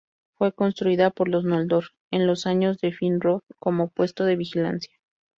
Fue construida por los noldor, en los años de Finrod, como puesto de vigilancia.